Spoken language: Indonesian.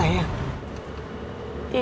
kamu yakin sayang